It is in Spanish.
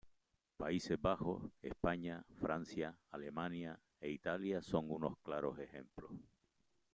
Países Bajos, España, Francia, Alemania e Italia son unos claros ejemplos.